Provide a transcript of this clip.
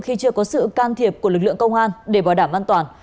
khi chưa có sự can thiệp của lực lượng công an để bảo đảm an toàn